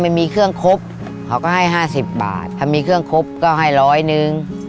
มันมีเครื่องครบเขาก็ให้ห้าสิบบาทถ้ามีเครื่องครบก็ให้ร้อยหนึ่ง